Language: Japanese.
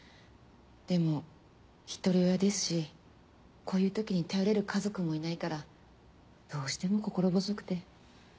でも一人親ですしこういうときに頼れる家族もいないからどうしても心細くて。